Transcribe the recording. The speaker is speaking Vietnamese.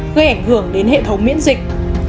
gây ảnh hưởng đến hệ thống miễn dịch